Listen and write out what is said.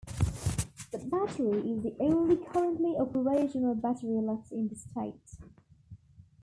The battery is the only currently operational battery left in the state.